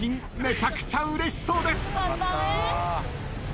めちゃくちゃうれしそうです。